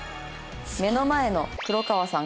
「目の前の黒川さん